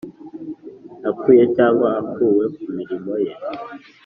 apfuye cyangwa akuwe ku mirimo ye